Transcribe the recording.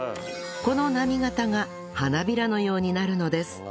この波型が花びらのようになるのです